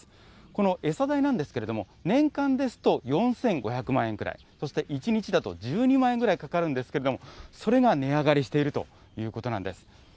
この餌代なんですけれども、年間ですと４５００万円くらい、そして１日だと１２万円ぐらいかかるんですけれども、それが値上がりしているということなんです。